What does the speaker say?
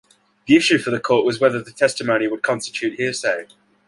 The issue for the Court was whether the testimony would constitute hearsay.